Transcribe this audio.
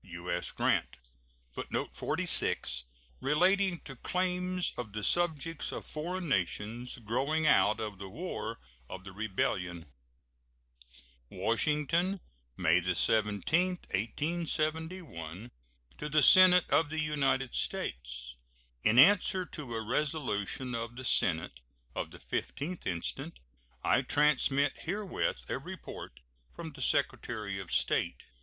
U.S. GRANT. [Footnote 46: Relating to claims of the subjects of foreign nations growing out of the War of the Rebellion.] WASHINGTON, May 17, 1871. To the Senate of the United States: In answer to a resolution of the Senate of the 15th instant, I transmit herewith a report from the Secretary of State.